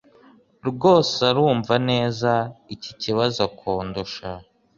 rwose arumva neza iki kibazo kundusha